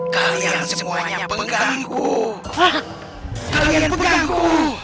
kalian semuanya pengganggu